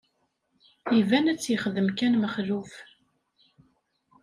Iban ad tt-yexdem kan Mexluf.